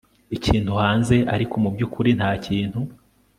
Ikintu hanze ariko mubyukuri ntakintu